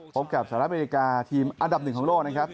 พบกับสหรัฐอเมริกาทีมอันดับหนึ่งของโลกนะครับ